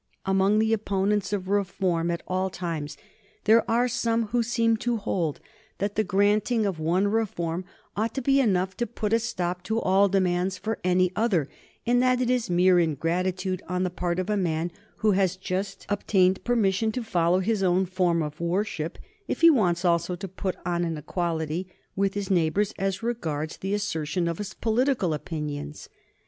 Among the opponents of reform, at all times, there are some who seem to hold that the granting of one reform ought to be enough to put a stop to all demands for any other, and that it is mere ingratitude on the part of a man who has just obtained permission to follow his own form of worship if he wants also to be put on an equality with his neighbors as regards the assertion of his political opinions.